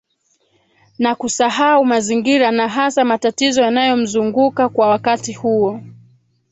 na kusahau mazingira na hasa matatizo yanayomzunguka kwa wakati huo